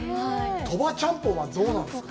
鳥羽ちゃんぽんは、どうなんですか。